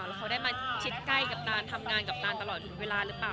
แล้วเขาได้มาชิดใกล้กับตานทำงานกับตานตลอดถึงเวลาหรือเปล่า